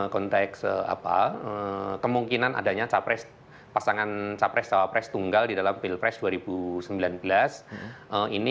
konteks apa kemungkinan adanya capres pasangan capres cawapres tunggal di dalam pilpres dua ribu sembilan belas ini